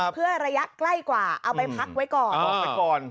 เพื่อระยะใกล้กว่าเอาไปพักไว้ก่อน